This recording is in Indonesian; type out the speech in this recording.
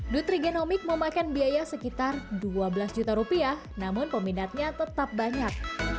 nutri genomik memakan biaya sekitar dua belas juta rupiah namun peminatnya tetap banyak